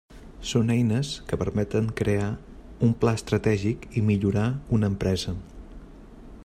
Són eines que permeten crear un pla estratègic i millorar una empresa.